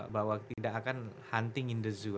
bahwa tidak akan hunting in the zoo